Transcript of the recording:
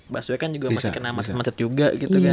mbak swe kan juga masih kena macet macet juga gitu kan